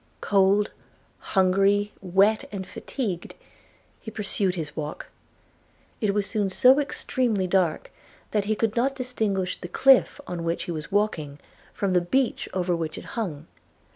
Cold, hungry, wet, and fatigued, he pursued his walk: it was soon so extremely dark that he could not distinguish the cliff, on which he was walking, from the beach over which it hung.